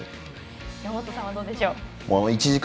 山本さんはどうでしょうか。